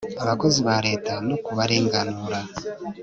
abakozi ba leta no kubarenganura